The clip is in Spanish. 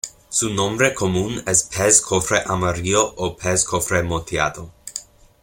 Su nombre común es pez cofre amarillo o pez cofre moteado.